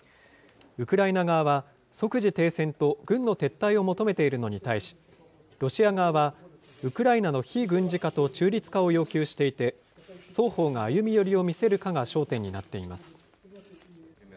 ウクライナ側は、即時停戦と軍の撤退を求めているのに対し、ロシア側は、ウクライナの非軍事化と中立化を要求していて、双方が歩み寄りを見せるかが焦点になっています。